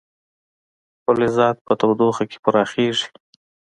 فلزات په تودوخه کې پراخېږي.